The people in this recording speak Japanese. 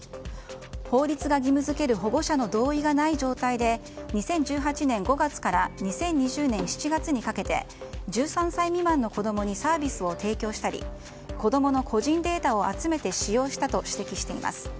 法律が義務付ける保護者の同意がない状態で２０１８年５月から２０２０年７月にかけて１３歳未満の子供にサービスを提供したり子供の個人データを集めて使用したと指摘しています。